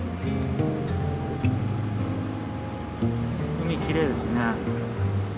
海きれいですね。